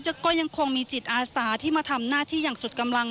ก็ยังคงมีจิตอาสาที่มาทำหน้าที่อย่างสุดกำลัง